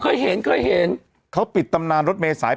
เคยเห็นเคยเห็นเขาปิดตำนานรถเมษาย๘